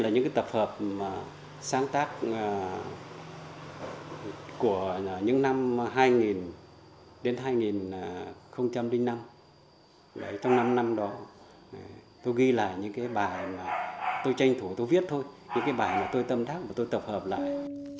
những bài mà tôi tâm đắc tôi tập hợp lại